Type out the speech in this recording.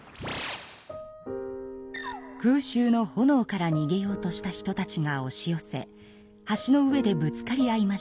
空襲のほのおからにげようとした人たちがおし寄せ橋の上でぶつかり合いました。